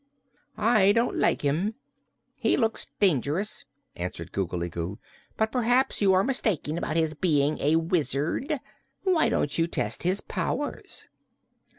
"I don't like him; he looks dangerous," answered Googly Goo. "But perhaps you are mistaken about his being a wizard. Why don't you test his powers?"